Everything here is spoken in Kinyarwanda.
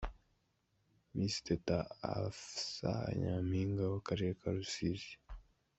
Miss Teta Afsa nyampinga w'akarere ka Rusizi.